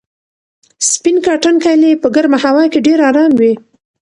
سپین کاټن کالي په ګرمه هوا کې ډېر ارام وي.